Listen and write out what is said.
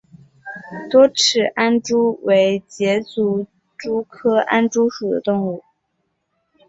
多齿安蛛为栉足蛛科安蛛属的动物。